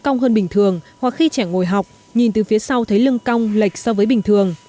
cong hơn bình thường hoặc khi trẻ ngồi học nhìn từ phía sau thấy lưng cong lệch so với bình thường